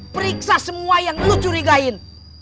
periksa semua yang lo curigain